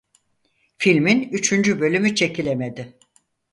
Filmin üçüncü bölümü çekilemedi.